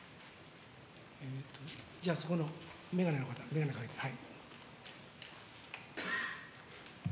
じゃあ、そこの眼鏡の方、眼鏡かけてる。